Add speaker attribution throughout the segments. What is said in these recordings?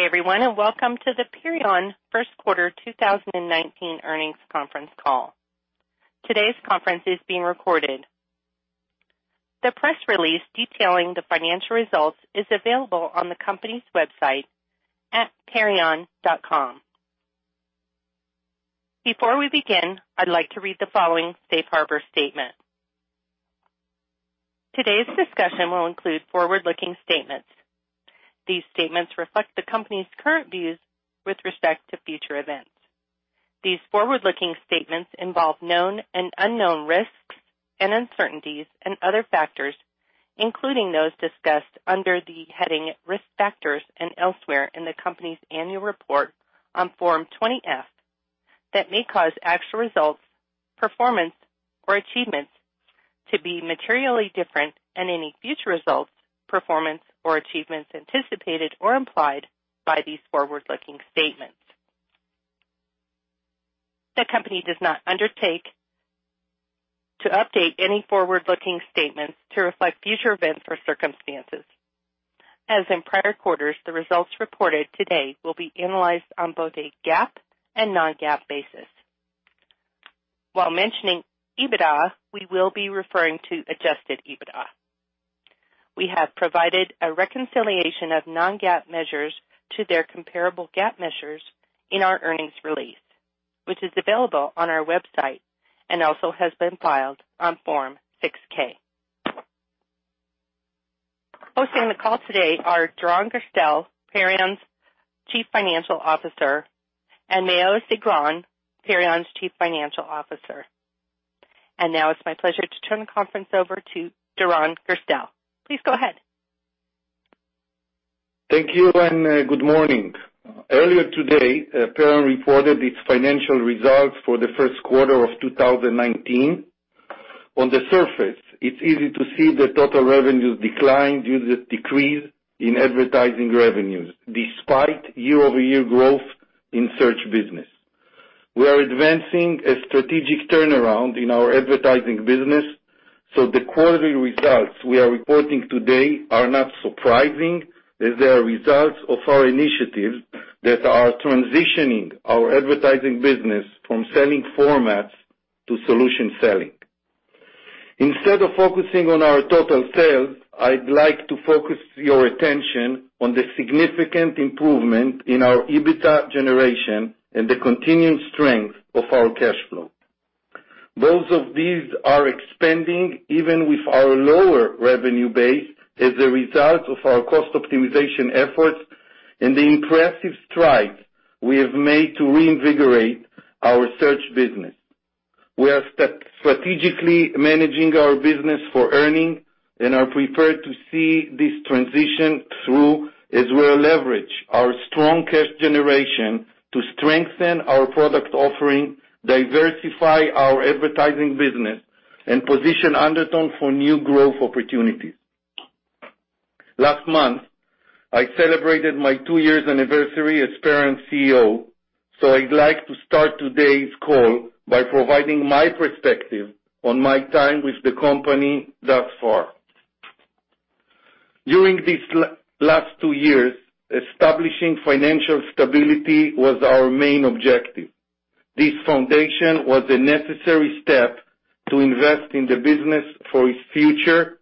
Speaker 1: Good day everyone, welcome to the Perion first quarter 2019 earnings conference call. Today's conference is being recorded. The press release detailing the financial results is available on the company's website at perion.com. Before we begin, I'd like to read the following safe harbor statement. Today's discussion will include forward-looking statements. These statements reflect the company's current views with respect to future events. These forward-looking statements involve known and unknown risks and uncertainties and other factors, including those discussed under the heading Risk Factors and elsewhere in the company's annual report on Form 20-F, that may cause actual results, performance, or achievements to be materially different than any future results, performance, or achievements anticipated or implied by these forward-looking statements. The company does not undertake to update any forward-looking statements to reflect future events or circumstances. As in prior quarters, the results reported today will be analyzed on both a GAAP and non-GAAP basis. While mentioning EBITDA, we will be referring to adjusted EBITDA. We have provided a reconciliation of non-GAAP measures to their comparable GAAP measures in our earnings release, which is available on our website and also has been filed on Form 6-K. Hosting the call today are Doron Gerstel, Perion's Chief Financial Officer, and Maoz Sigron, Perion's Chief Financial Officer. Now it's my pleasure to turn the conference over to Doron Gerstel. Please go ahead.
Speaker 2: Thank you, good morning. Earlier today, Perion reported its financial results for the first quarter of 2019. On the surface, it's easy to see that total revenues declined due to decrease in advertising revenues, despite year-over-year growth in search business. We are advancing a strategic turnaround in our advertising business, the quarterly results we are reporting today are not surprising, as they are results of our initiatives that are transitioning our advertising business from selling formats to solution selling. Instead of focusing on our total sales, I'd like to focus your attention on the significant improvement in our EBITDA generation and the continued strength of our cash flow. Both of these are expanding even with our lower revenue base as a result of our cost optimization efforts and the impressive strides we have made to reinvigorate our search business. We are strategically managing our business for earning, are prepared to see this transition through as we leverage our strong cash generation to strengthen our product offering, diversify our advertising business, position Undertone for new growth opportunities. Last month, I celebrated my two years anniversary as Perion's CEO, I'd like to start today's call by providing my perspective on my time with the company thus far. During these last two years, establishing financial stability was our main objective. This foundation was a necessary step to invest in the business for its future.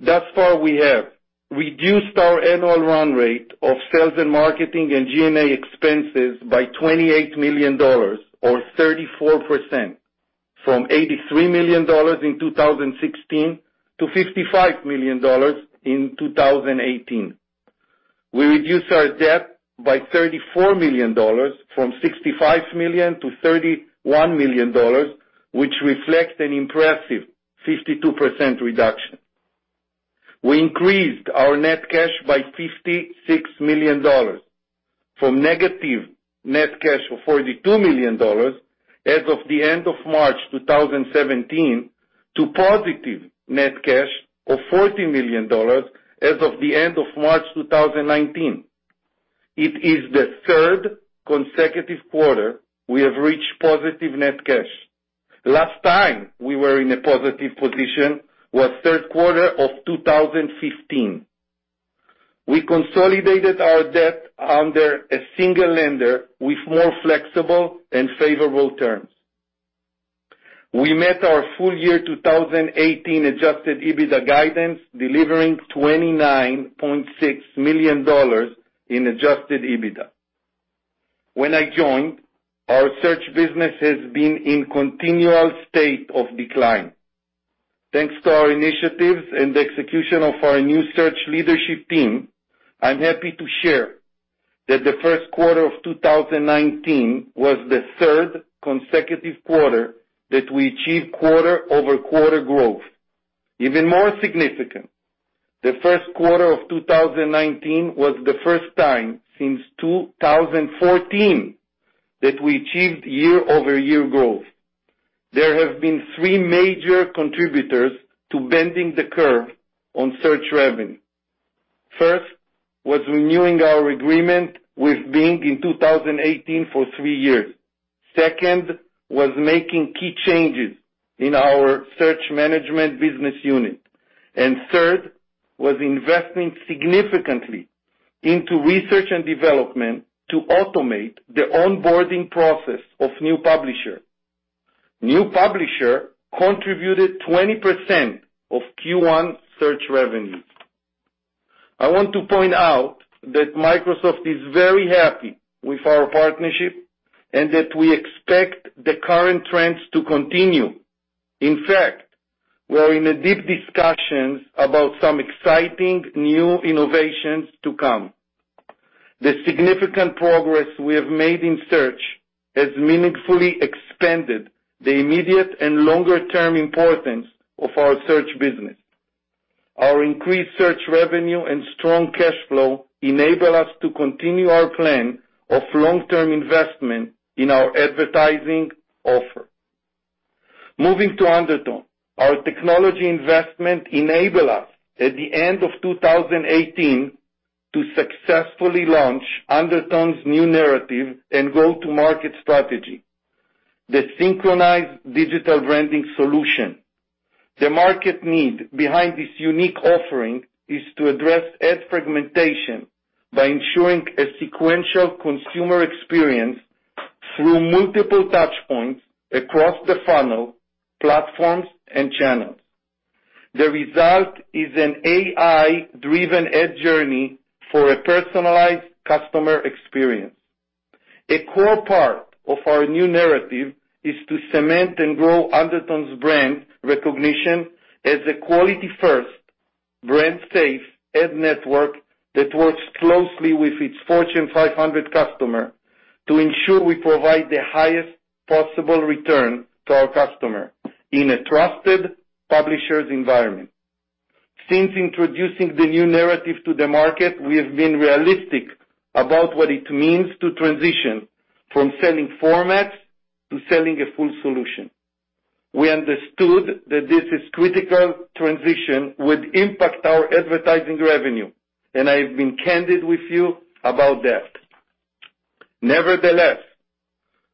Speaker 2: Thus far, we have reduced our annual run rate of sales and marketing and G&A expenses by $28 million or 34%, from $83 million in 2016 to $55 million in 2018. We reduced our debt by $34 million from $65 million to $31 million, which reflects an impressive 52% reduction. We increased our net cash by $56 million from negative net cash of $42 million as of the end of March 2017, to positive net cash of $40 million as of the end of March 2019. It is the third consecutive quarter we have reached positive net cash. Last time we were in a positive position was third quarter of 2015. We consolidated our debt under a single lender with more flexible and favorable terms. We met our full year 2018 adjusted EBITDA guidance, delivering $29.6 million in adjusted EBITDA. When I joined, our search business has been in continual state of decline. Thanks to our initiatives and the execution of our new search leadership team, I'm happy to share that the first quarter of 2019 was the third consecutive quarter that we achieved quarter-over-quarter growth. Even more significant, the first quarter of 2019 was the first time since 2014 that we achieved year-over-year growth. There have been three major contributors to bending the curve on search revenue. First was renewing our agreement with Bing in 2018 for three years. Second was making key changes in our search management business unit. Third was investing significantly into research and development to automate the onboarding process of new publisher. New publisher contributed 20% of Q1 search revenues. I want to point out that Microsoft is very happy with our partnership, and that we expect the current trends to continue. In fact, we are in deep discussions about some exciting new innovations to come. The significant progress we have made in search has meaningfully expanded the immediate and longer-term importance of our search business. Our increased search revenue and strong cash flow enable us to continue our plan of long-term investment in our advertising offer. Moving to Undertone. Our technology investment enable us, at the end of 2018, to successfully launch Undertone's new narrative and go-to-market strategy, the Synchronized Digital Branding solution. The market need behind this unique offering is to address ad fragmentation by ensuring a sequential consumer experience through multiple touch points across the funnel, platforms, and channels. The result is an AI-driven ad journey for a personalized customer experience. A core part of our new narrative is to cement and grow Undertone's brand recognition as a quality first, brand safe ad network that works closely with its Fortune 500 customer to ensure we provide the highest possible return to our customer in a trusted publisher's environment. Since introducing the new narrative to the market, we have been realistic about what it means to transition from selling formats to selling a full solution. We understood that this critical transition would impact our advertising revenue, and I have been candid with you about that. Nevertheless,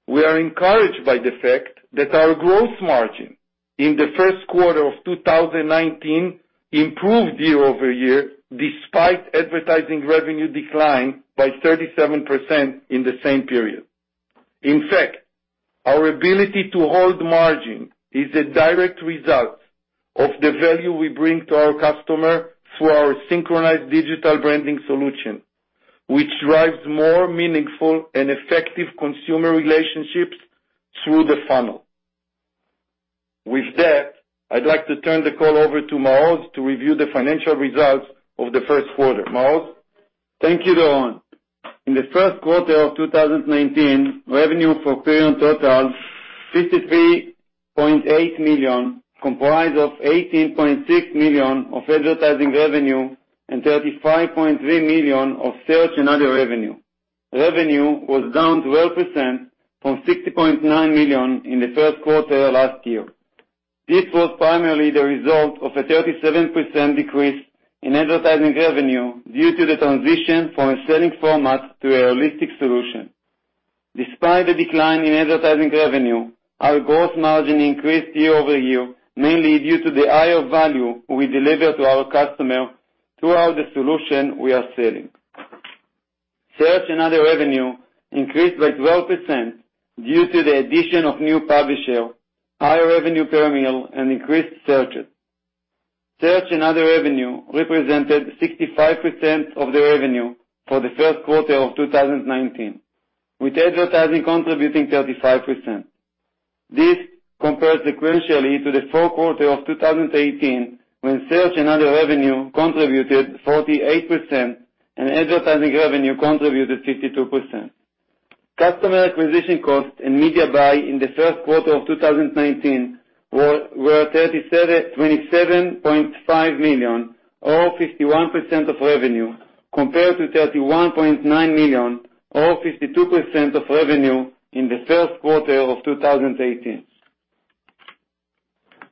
Speaker 2: we are encouraged by the fact that our gross margin in the first quarter of 2019 improved year-over-year, despite advertising revenue decline by 37% in the same period. In fact, our ability to hold margin is a direct result of the value we bring to our customer through our Synchronized Digital Branding solution, which drives more meaningful and effective consumer relationships through the funnel. With that, I'd like to turn the call over to Maoz to review the financial results of the first quarter. Maoz?
Speaker 3: Thank you, Doron. In the first quarter of 2019, revenue for Perion totals $53.8 million, comprised of $18.6 million of advertising revenue and $35.3 million of search and other revenue. Revenue was down 12% from $60.9 million in the first quarter last year. This was primarily the result of a 37% decrease in advertising revenue due to the transition from a selling format to a realistic solution. Despite the decline in advertising revenue, our gross margin increased year-over-year, mainly due to the higher value we deliver to our customer through the solution we are selling. Search and other revenue increased by 12% due to the addition of new publisher, higher revenue per mille, and increased searches. Search and other revenue represented 65% of the revenue for the first quarter of 2019, with advertising contributing 35%. This compares sequentially to the fourth quarter of 2018, when search and other revenue contributed 48%, and advertising revenue contributed 52%. Customer acquisition cost and media buy in the first quarter of 2019 were $27.5 million or 51% of revenue, compared to $31.9 million or 52% of revenue in the first quarter of 2018.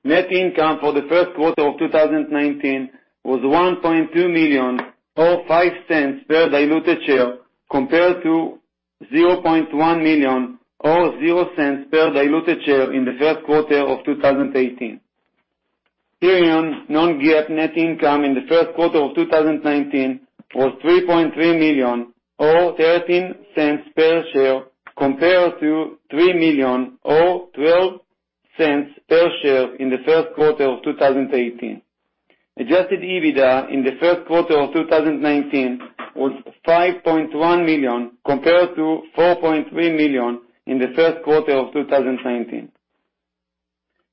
Speaker 3: Net income for the first quarter of 2019 was $1.2 million or $0.05 per diluted share, compared to $0.1 million or $0.00 per diluted share in the first quarter of 2018. Perion non-GAAP net income in the first quarter of 2019 was $3.3 million or $0.13 per share compared to $3 million or $0.12 per share in the first quarter of 2018. Adjusted EBITDA in the first quarter of 2019 was $5.1 million, compared to $4.3 million in the first quarter of 2019.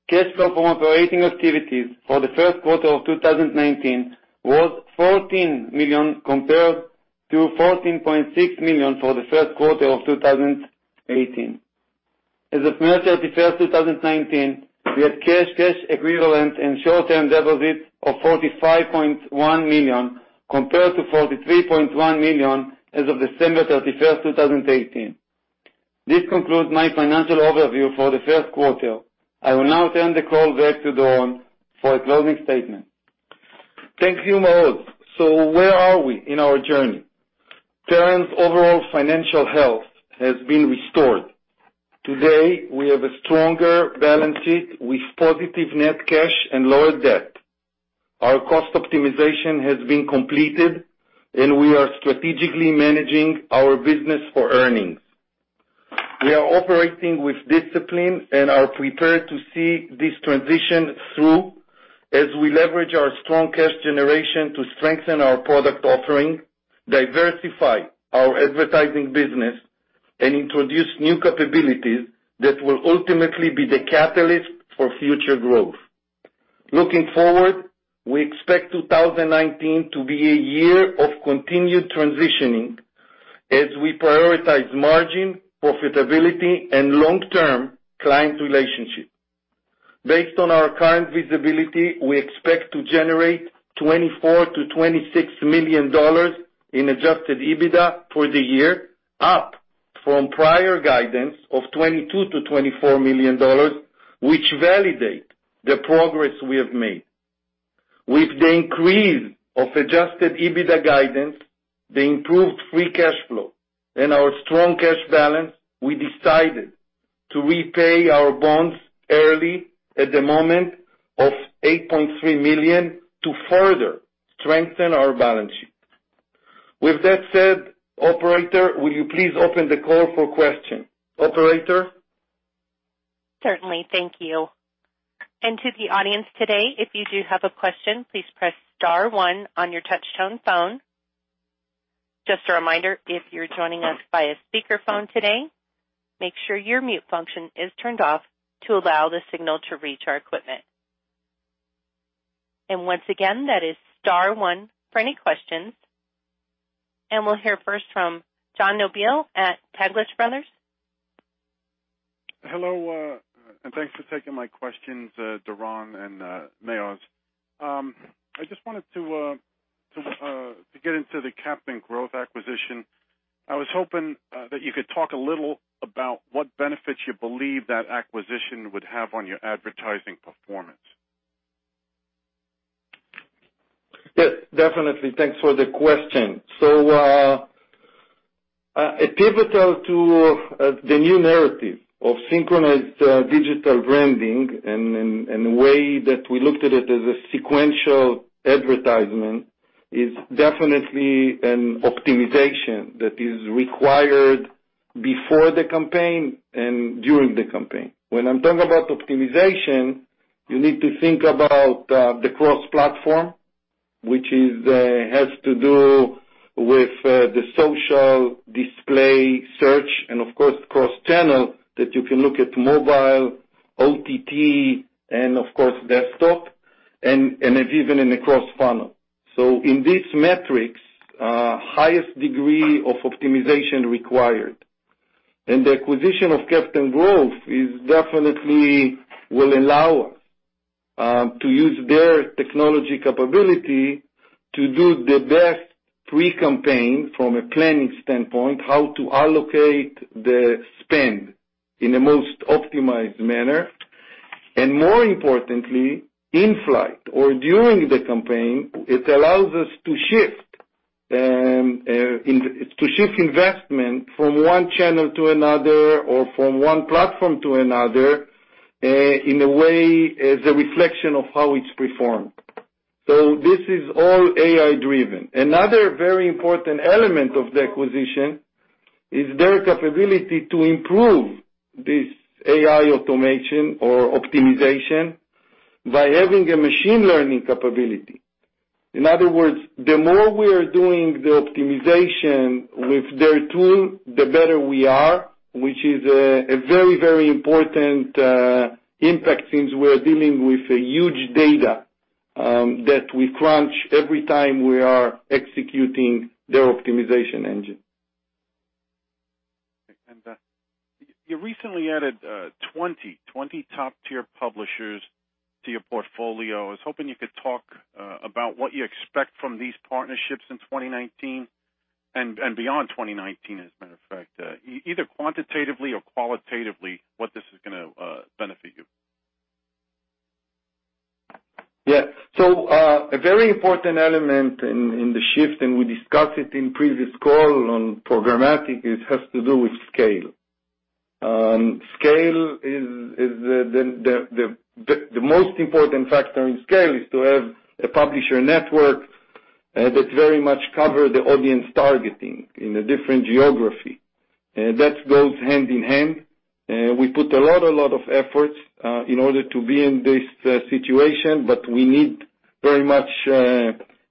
Speaker 3: Cash flow from operating activities for the first quarter of 2019 was $14 million, compared to $14.6 million for the first quarter of 2018. As of March 31st, 2019, we had cash equivalent, and short-term deposits of $45.1 million, compared to $43.1 million as of December 31st, 2018. This concludes my financial overview for the first quarter. I will now turn the call back to Doron for a closing statement.
Speaker 2: Thank you, Maoz. Where are we in our journey? Perion's overall financial health has been restored. Today, we have a stronger balance sheet with positive net cash and lower debt. Our cost optimization has been completed, and we are strategically managing our business for earnings. We are operating with discipline and are prepared to see this transition through as we leverage our strong cash generation to strengthen our product offering, diversify our advertising business, and introduce new capabilities that will ultimately be the catalyst for future growth. Looking forward, we expect 2019 to be a year of continued transitioning as we prioritize margin, profitability, and long-term client relationships. Based on our current visibility, we expect to generate $24 million-$26 million in adjusted EBITDA for the year, up from prior guidance of $22 million-$24 million, which validates the progress we have made. With the increase of adjusted EBITDA guidance, the improved free cash flow, and our strong cash balance, we decided to repay our bonds early at the moment of $8.3 million to further strengthen our balance sheet. Operator, will you please open the call for questions. Operator?
Speaker 1: Certainly. Thank you. To the audience today, if you do have a question, please press star one on your touchtone phone. Just a reminder, if you're joining us by a speakerphone today, make sure your mute function is turned off to allow the signal to reach our equipment. Once again, that is star one for any questions. We'll hear first from John Nobile at Taglich Brothers.
Speaker 4: Hello, thanks for taking my questions, Doron and Maoz. I just wanted to get into the Captain Growth acquisition. I was hoping that you could talk a little about what benefits you believe that acquisition would have on your advertising performance.
Speaker 2: Yes, definitely. Thanks for the question. A pivotal to the new narrative of Synchronized Digital Branding and way that we looked at it as a sequential advertisement is definitely an optimization that is required before the campaign and during the campaign. When I'm talking about optimization, you need to think about the cross-platform, which has to do with the social display search and, of course, cross-channel, that you can look at mobile, OTT, and of course, desktop, and even in a cross-funnel. In these metrics, highest degree of optimization required. The acquisition of Captain Growth is definitely will allow us to use their technology capability to do the best pre-campaign from a planning standpoint, how to allocate the spend in the most optimized manner. More importantly, in-flight or during the campaign, it allows us to shift investment from one channel to another or from one platform to another, in a way as a reflection of how it's performed. This is all AI-driven. Another very important element of the acquisition is their capability to improve this AI automation or optimization by having a machine learning capability. In other words, the more we are doing the optimization with their tool, the better we are, which is a very important impact since we're dealing with a huge data that we crunch every time we are executing their optimization engine.
Speaker 4: You recently added 20 top-tier publishers to your portfolio. I was hoping you could talk about what you expect from these partnerships in 2019 and beyond 2019, as a matter of fact. Either quantitatively or qualitatively, what this is going to benefit you?
Speaker 2: A very important element in the shift, and we discussed it in previous call on programmatic, it has to do with scale. The most important factor in scale is to have a publisher network that very much cover the audience targeting in a different geography. That goes hand in hand. We put a lot of efforts in order to be in this situation, but we need very much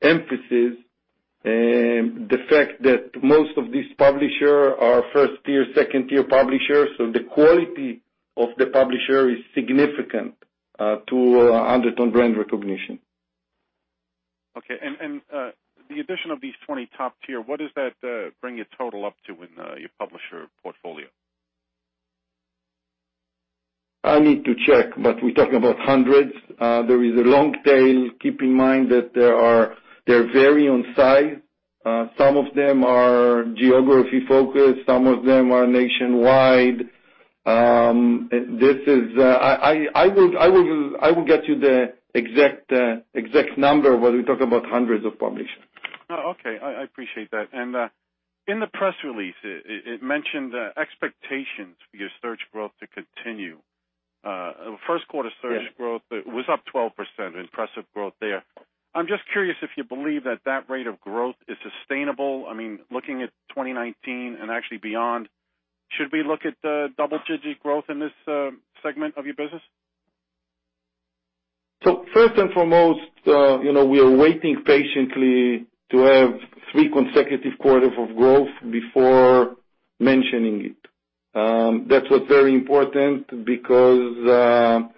Speaker 2: emphasis the fact that most of these publisher are first-tier, second-tier publishers, so the quality of the publisher is significant to Undertone brand recognition.
Speaker 4: Okay. The addition of these 20 top tier, what does that bring your total up to in your publisher portfolio?
Speaker 2: I need to check, but we're talking about hundreds. There is a long tail. Keep in mind that they vary on size. Some of them are geography-focused, some of them are nationwide. I will get you the exact number, but we're talking about hundreds of publishers.
Speaker 4: Okay. I appreciate that. In the press release, it mentioned expectations for your search growth to continue. First quarter search growth was up 12%, impressive growth there. I'm just curious if you believe that that rate of growth is sustainable. I mean, looking at 2019 and actually beyond, should we look at the double-digit growth in this segment of your business?
Speaker 2: First and foremost, we are waiting patiently to have three consecutive quarters of growth before mentioning it. That was very important because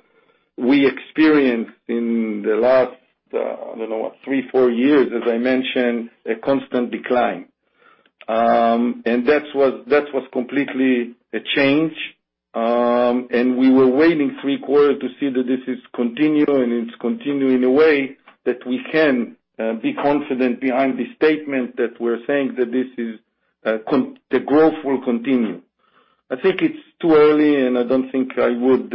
Speaker 2: we experienced in the last, I don't know, what? Three, four years, as I mentioned, a constant decline. That was completely a change. We were waiting three quarters to see that this is continuing, it's continuing the way that we can be confident behind the statement that we're saying that the growth will continue. I think it's too early, and I don't think I would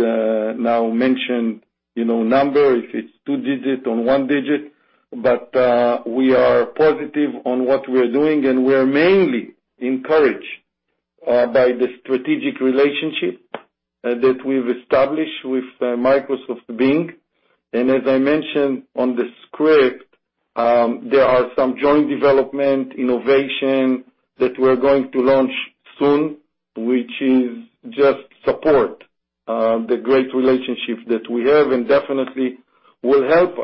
Speaker 2: now mention number, if it's two digit or one digit. We are positive on what we're doing, and we're mainly encouraged by the strategic relationship that we've established with Microsoft Bing. As I mentioned on the script, there are some joint development innovation that we're going to launch soon, which is just support the great relationship that we have and definitely will help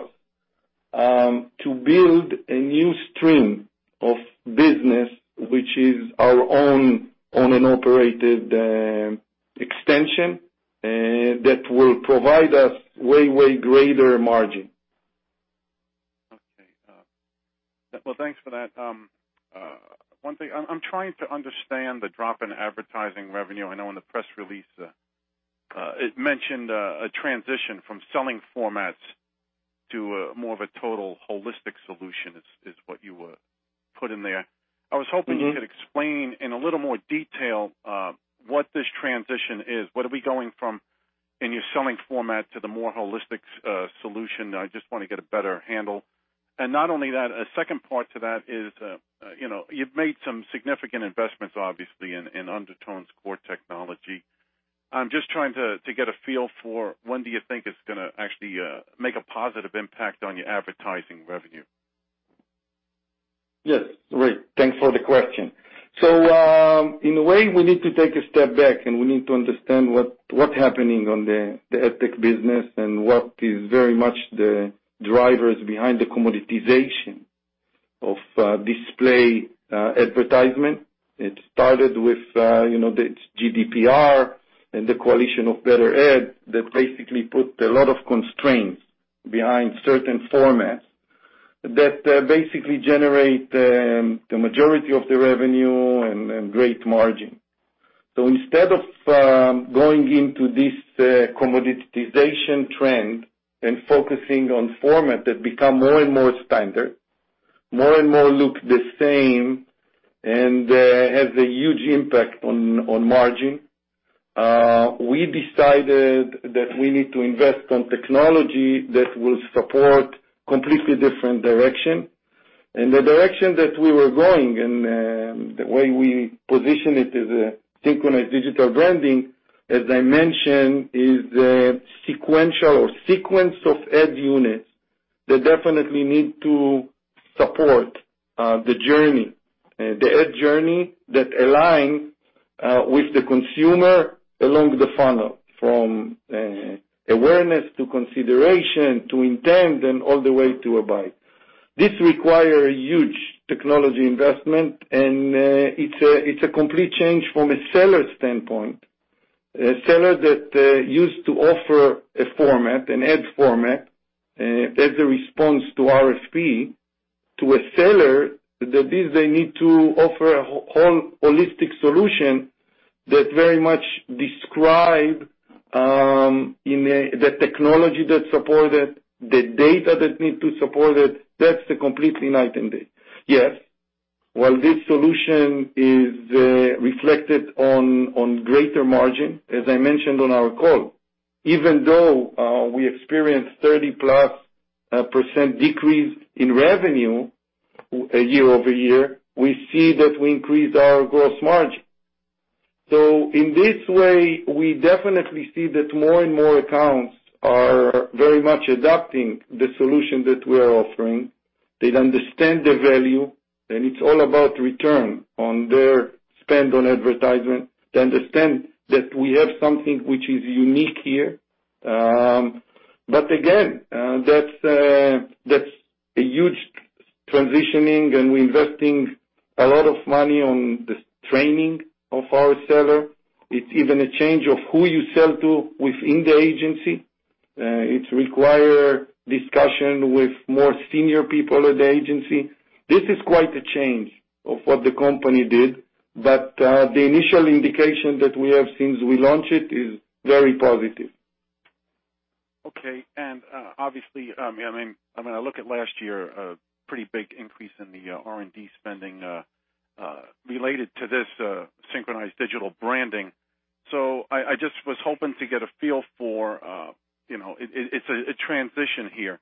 Speaker 2: us to build a new stream of business, which is our own owned and operated extension that will provide us way greater margin.
Speaker 4: Okay. Well, thanks for that. One thing, I'm trying to understand the drop in advertising revenue. I know in the press release, it mentioned a transition from selling formats to more of a total holistic solution is what you put in there. I was hoping you could explain in a little more detail what this transition is. What are we going from in your selling format to the more holistic solution? I just want to get a better handle. Not only that, a second part to that is, you've made some significant investments, obviously, in Undertone's core technology. I'm just trying to get a feel for when do you think it's going to actually make a positive impact on your advertising revenue?
Speaker 2: Yes. Great. Thanks for the question. In a way, we need to take a step back, and we need to understand what happening on the AdTech business and what is very much the drivers behind the commoditization of display advertisement. It started with the GDPR and the Coalition for Better Ads that basically put a lot of constraints behind certain formats that basically generate the majority of the revenue and great margin. Instead of going into this commoditization trend and focusing on format that become more and more standard, more and more look the same and has a huge impact on margin, we decided that we need to invest on technology that will support completely different direction. The direction that we were going and the way we position it as a Synchronized Digital Branding, as I mentioned, is the sequential or sequence of ad units that definitely need to support the ad journey that align with the consumer along the funnel, from awareness to consideration, to intent, and all the way to a buy. This require a huge technology investment, and it's a complete change from a seller standpoint, a seller that used to offer an ad format as a response to RFP, to a seller that is they need to offer a whole holistic solution that very much describe the technology that support it, the data that need to support it. That's a complete night and day. Yes. While this solution is reflected on greater margin, as I mentioned on our call, even though we experienced 30%-plus decrease in revenue year-over-year, we see that we increased our gross margin. In this way, we definitely see that more and more accounts are very much adopting the solution that we're offering. They understand the value, and it's all about return on their spend on advertisement. They understand that we have something which is unique here. Again, that's a huge transitioning, and we're investing a lot of money on the training of our seller. It's even a change of who you sell to within the agency. It require discussion with more senior people at the agency. This is quite a change of what the company did, but the initial indication that we have since we launched it is very positive.
Speaker 4: Obviously, I look at last year, a pretty big increase in the R&D spending related to this Synchronized Digital Branding. I just was hoping to get a feel for, it's a transition here.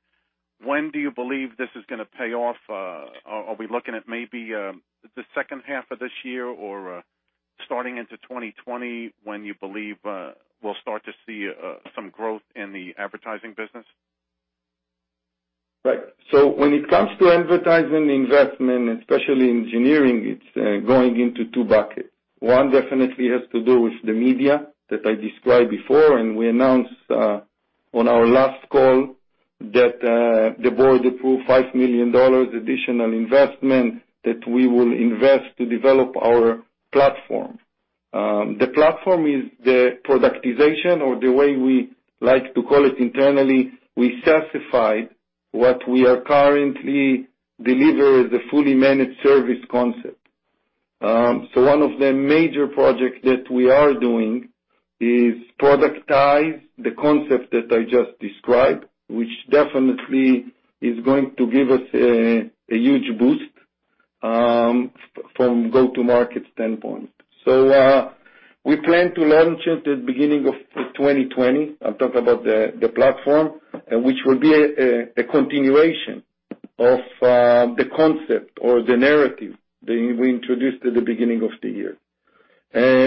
Speaker 4: When do you believe this is going to pay off? Are we looking at maybe the second half of this year or starting into 2020 when you believe we'll start to see some growth in the advertising business?
Speaker 2: When it comes to advertising investment, especially engineering, it's going into two buckets. One definitely has to do with the media that I described before, and we announced on our last call that the board approved $5 million additional investment that we will invest to develop our platform. The platform is the productization or the way we like to call it internally, we certified what we are currently deliver as a fully managed service concept. One of the major projects that we are doing is productize the concept that I just described, which definitely is going to give us a huge boost, from go-to-market standpoint. We plan to launch it at the beginning of 2020. I'm talking about the platform, which will be a continuation of the concept or the narrative that we introduced at the beginning of the year.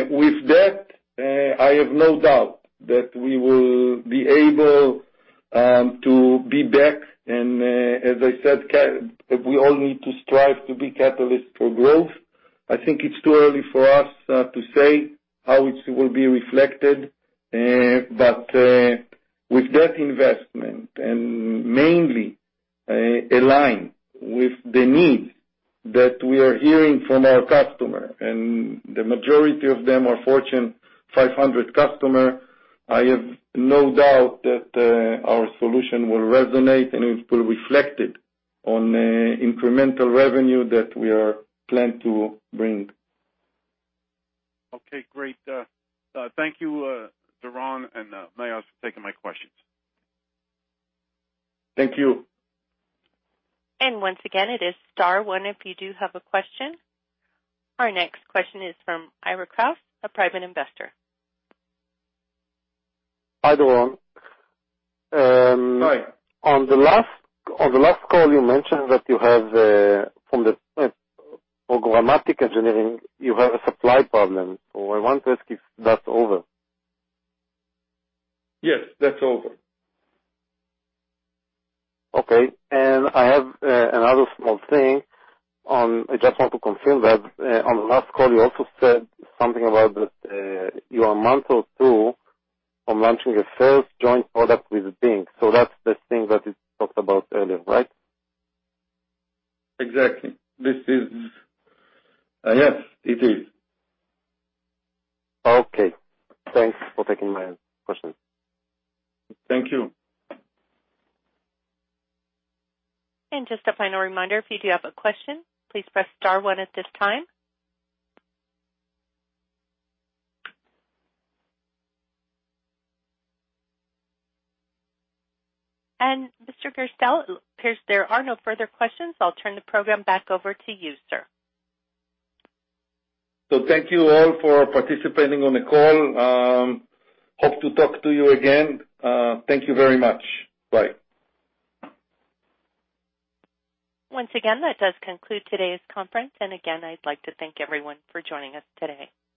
Speaker 2: With that, I have no doubt that we will be able to be back. As I said, we all need to strive to be catalysts for growth. I think it's too early for us to say how it will be reflected. With that investment and mainly align with the needs that we are hearing from our customer, and the majority of them are Fortune 500 customer, I have no doubt that our solution will resonate, and it will reflect it on the incremental revenue that we are planning to bring.
Speaker 4: Okay, great. Thank you, Doron and Maoz for taking my questions.
Speaker 2: Thank you.
Speaker 1: Once again, it is star one if you do have a question. Our next question is from Ira Kraus, a private investor.
Speaker 5: Hi, Doron.
Speaker 2: Hi.
Speaker 5: On the last call, you mentioned that you have, from the programmatic engineering, you have a supply problem. I want to ask if that's over.
Speaker 2: Yes, that's over.
Speaker 5: Okay. I have another small thing. I just want to confirm that, on the last call, you also said something about that you are a month or two from launching your first joint product with Bing. That's the thing that is talked about earlier, right?
Speaker 2: Exactly. Yes, it is.
Speaker 5: Okay. Thanks for taking my questions.
Speaker 2: Thank you.
Speaker 1: Just a final reminder, if you do have a question, please press star one at this time. Mr. Gerstel, it appears there are no further questions. I'll turn the program back over to you, sir.
Speaker 2: Thank you all for participating on the call. Hope to talk to you again. Thank you very much. Bye.
Speaker 1: Once again, that does conclude today's conference. Again, I'd like to thank everyone for joining us today.